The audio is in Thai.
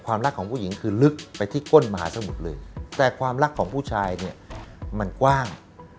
รักของผู้หญิงคือลึกไปที่ก้นมหาสมุทรเลยแต่ความรักของผู้ชายเนี่ยมันกว้าง